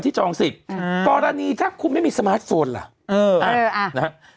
จองสิทธิ์กรณีถ้าคุณไม่มีสมาร์ทโฟนล่ะเอออ่านะฮะ